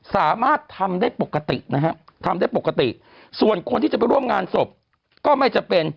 สามารถทำได้ปกตินะฮะทำได้ปกติส่วนคนที่จะไปร่วมงานศพก็ไม่จำเป็น